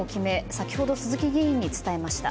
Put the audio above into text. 先ほど鈴木議員に伝えました。